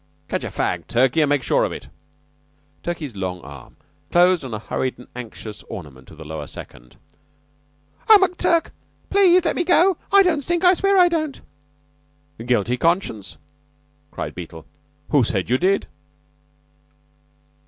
Catch a fag, Turkey, and make sure of it." Turkey's long arm closed on a hurried and anxious ornament of the Lower Second. "Oh, McTurk, please let me go. I don't stink I swear I don't!" "Guilty conscience!" cried Beetle. "Who said you did?"